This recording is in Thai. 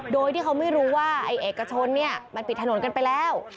โดยที่เขาไม่รู้ว่าไอ้เอกชนเนี่ยมันปิดถนนกันไปแล้ว